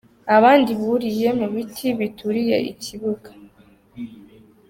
Abandi buriye mu biti bituriye ikibuga.